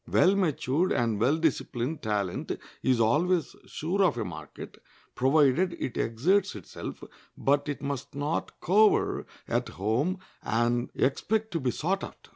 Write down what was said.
Well matured and well disciplined talent is always sure of a market, provided it exerts itself; but it must not cower at home and expect to be sought after.